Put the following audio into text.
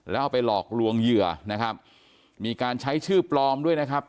แล้วเอาไปหลอกลวงเหยื่อนะครับมีการใช้ชื่อปลอมด้วยนะครับ